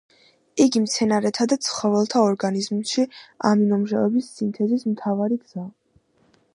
იგი მცენარეთა და ცხოველთა ორგანიზმში ამინომჟავების სინთეზის მთავარი გზაა.